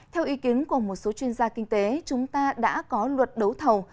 theo ý kiến của một số chuyên gia kinh tế chúng ta đã có luật đấu thầu